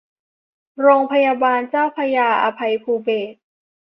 โรงพยาบาลเจ้าพระยาอภัยภูเบศร